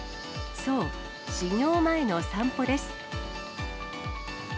そう、始業前の散歩です。